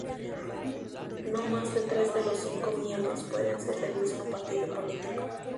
No más de tres de los cinco miembros pueden ser del mismo partido político.